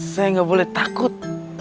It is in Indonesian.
saya nggak boleh takut